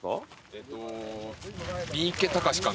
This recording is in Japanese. えっと。